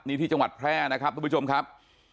นี่ที่จังหวัดแพร่นะครับทุกผู้ชมครับ